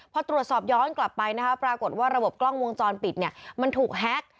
พอตรวจสอบย้อนกลับไปปรากฏว่าระบบกล้องวงจรปิดมันถูกแฮค